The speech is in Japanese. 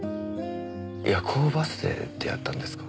夜行バスで出会ったんですか？